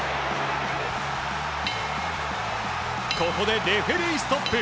ここでレフェリーストップ。